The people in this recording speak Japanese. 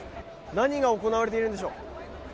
何が行われているんでしょう。